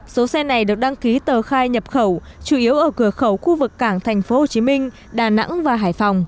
số xe này được đăng ký tờ khai nhập khẩu chủ yếu ở cửa khẩu khu vực cảng tp hcm đà nẵng và hải phòng